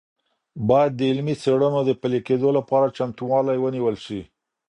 باید د علمي څیړنو د پلي کيدو لپاره چمتووالی ونیول سي.